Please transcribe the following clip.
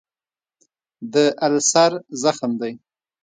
د السر زخم دی.